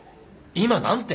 今何て？